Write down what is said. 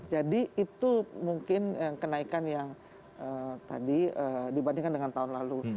jadi itu mungkin kenaikan yang tadi dibandingkan dengan tahun lalu